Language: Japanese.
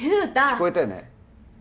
聞こえたよね？